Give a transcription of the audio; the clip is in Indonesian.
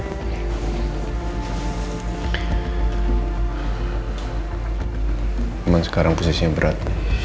memang sekarang posisinya berat